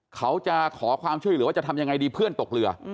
เขาจะขอความช่วยเหลือว่าจะทำยังไงดีเพื่อนตกเรือ